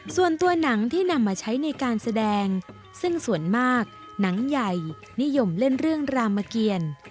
ส่วนตัวหนังที่นำมาใช้ในการแสดงซึ่งส่วนมากหนังใหญ่นิยมเล่นเรื่องรามเกียร